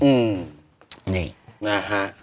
อืมนี่นะฮะ